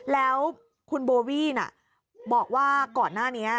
แล้วคุณโบวี่น่ะบอกว่าก่อนหน้านี้